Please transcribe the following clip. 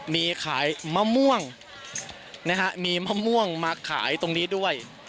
มีขายมะม่วงมีมะม่วงมาขายตรงนี้ด้วย